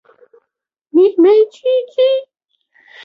本次会议也是美国总统第一次在战争期间离开了美国本土。